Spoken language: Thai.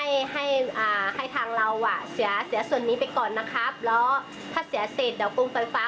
แล้วถ้าเสียเสร็จเดี๋ยวโปรงไฟฟ้า